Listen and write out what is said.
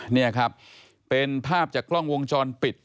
นี่ครับเป็นภาพจากกล้องวงจรปิด